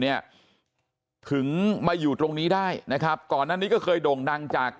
เนี่ยถึงมาอยู่ตรงนี้ได้นะครับก่อนหน้านี้ก็เคยโด่งดังจาก